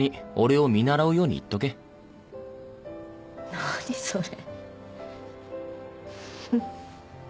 何それ。